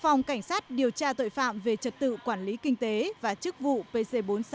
phòng cảnh sát điều tra tội phạm về trật tự quản lý kinh tế và chức vụ pc bốn mươi sáu